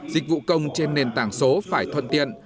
dịch vụ công trên nền tảng số phải thuận tiện